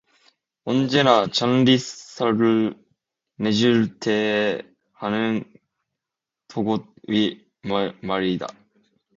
언제나 장리쌀을 내줄 때에 하는 덕호의 말이다.